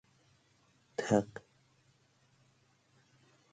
تق